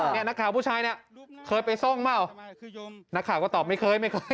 นักข่าวผู้ชายเคยไปซ่องไหมนักข่าก็ตอบไม่เคย